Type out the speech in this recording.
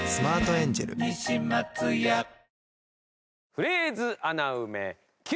フレーズ穴埋めＱ！